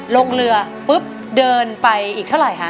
ลงเรือปุ๊บเดินไปอีกเท่าไหร่คะ